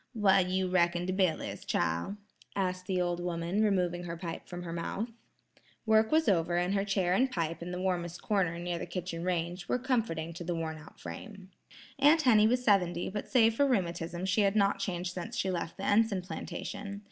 "Wha' you reckin de bill is, chile?" asked the old woman, removing her pipe from her mouth. Work was over and her chair and pipe in the warmest corner near the kitchen range, were comforting to the wornout frame. Aunt Henny was seventy, but save for rheumatism she had not changed since she left the Enson plantation.